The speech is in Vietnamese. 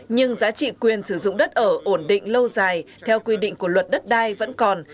nhưng giá trị quyền sử dụng đất ở ổn định lâu dài theo quy định của luật đất đai vẫn còn